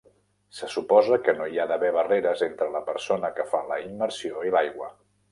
Se suposa que no hi ha d'haver barreres entre la persona que fa la immersió i l'aigua.